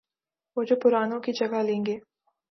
وہ جو پرانوں کی جگہ لیں گے۔